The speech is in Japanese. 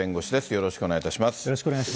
よろしくお願いします。